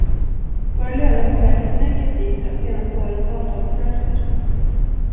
Våra löner påverkas negativt av senaste årens avtalsrörelser.